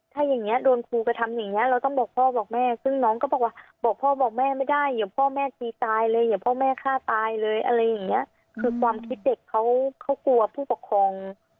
ถ้าอย่างเงี้โดนครูกระทำอย่างเงี้เราต้องบอกพ่อบอกแม่ซึ่งน้องก็บอกว่าบอกพ่อบอกแม่ไม่ได้อย่าพ่อแม่ตีตายเลยอย่าพ่อแม่ฆ่าตายเลยอะไรอย่างเงี้ยคือความคิดเด็กเขาเขากลัวผู้ปกครอง